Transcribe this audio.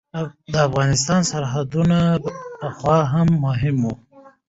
د افغانستان سرحدونه پخوا هم مهم وو.